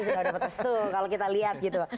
iya pasti sudah dapat restu kalau kita lihat gitu